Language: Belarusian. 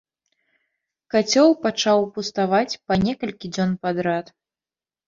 Кацёл пачаў пуставаць па некалькі дзён падрад.